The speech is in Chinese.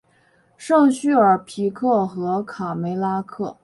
圣叙尔皮克和卡梅拉克。